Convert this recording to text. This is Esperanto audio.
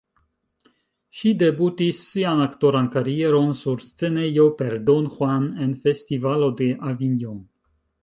Ŝi debutis sian aktoran karieron sur scenejo, per "Don Juan" en Festivalo de Avignon.